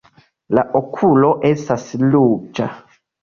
La okulo estas ruĝa.